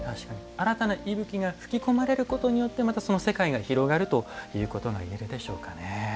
新たな息吹が吹き込まれることによってまたその世界が広がるということがいえるでしょうかね。